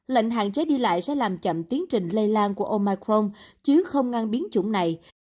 lệnh hạn chế đi lại sẽ làm chậm tiến trình lây lan của omaicron chứ không ngăn biến chủng này